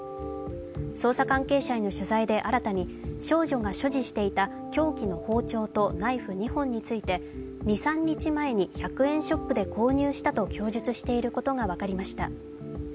捜査関係者への取材で新たに少女が所持していた凶器の包丁とナイフ２本について２３日前に１００円ショップで購入したと供述していることが分かりました。